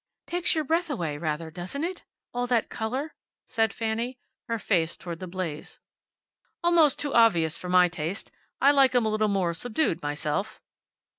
"Takes your breath away, rather, doesn't it? All that color?" said Fanny, her face toward the blaze. "Almost too obvious for my taste. I like 'em a little more subdued, myself."